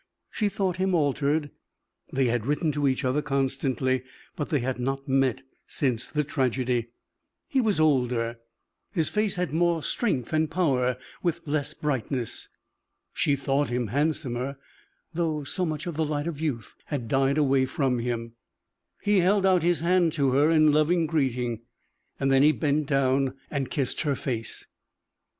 She thought him altered. They had written to each other constantly, but they had not met since the tragedy. He was older, his face had more strength and power, with less brightness. She thought him handsomer, though so much of the light of youth had died away from him. He held out his hand to her in loving greeting, then he bent down and kissed her face.